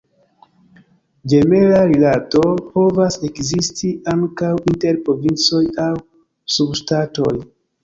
Ĝemela rilato povas ekzisti ankaŭ inter provincoj aŭ subŝtatoj.